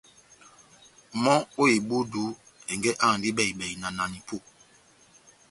Mɔ́ ó ebúdu, ɛngɛ́ áhandi bɛhi-bɛhi na nanipó